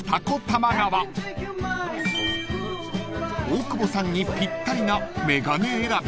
［大久保さんにぴったりな眼鏡選びで］